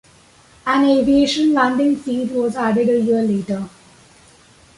An aviation landing field was added a year later.